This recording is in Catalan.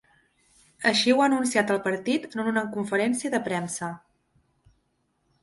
Així ho ha anunciat el partit en una conferència de premsa.